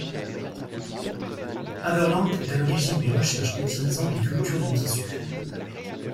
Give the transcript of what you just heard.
Haberlandt est à l’origine des recherches utilisant des cultures de tissu.